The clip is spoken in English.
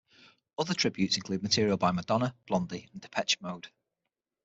Other tributes include material by Madonna, Blondie and Depeche Mode.